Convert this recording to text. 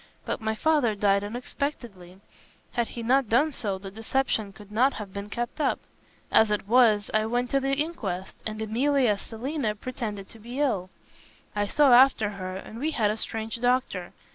But my father died unexpectedly. Had he not done so, the deception could not have been kept up. As it was, I went to the inquest, and Emilia as Selina pretended to be ill. I saw after her and we had a strange doctor.